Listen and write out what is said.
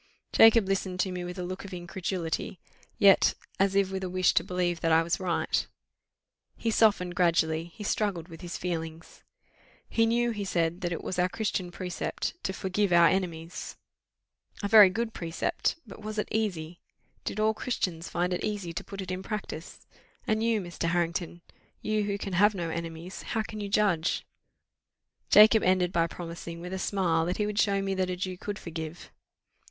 Jacob listened to me with a look of incredulity, yet as if with a wish to believe that I was right: he softened gradually he struggled with his feelings. "He knew," he said, "that it was our Christian precept to forgive our enemies a very good precept: but was it easy? Did all Christians find it easy to put it in practice? And you, Mr. Harrington, you who can have no enemies, how can you judge?" Jacob ended by promising, with a smile, that he would show me that a Jew could forgive.